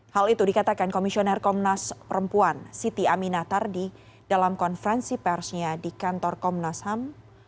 hal itu dikatakan komisioner komnas perempuan siti aminah tardi dalam konferensi persnya di kantor komnas ham